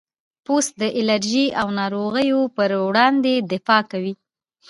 پوست د الرجي او ناروغیو پر وړاندې دفاع کوي.